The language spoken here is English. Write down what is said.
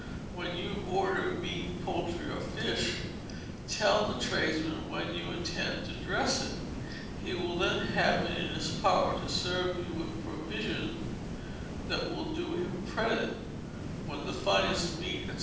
When you order meat, poultry, or fish, tell the tradesman when you intend to dress it: he will then have it in his power to serve you with provision that will do him credit, which the finest meat, &c.